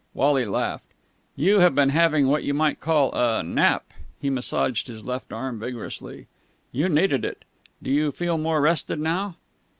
Wally laughed. "You have been having what you might call a nap." He massaged his left arm vigorously. "You needed it. Do you feel more rested now?"